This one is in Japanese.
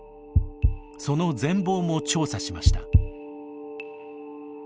その全貌も調査しました。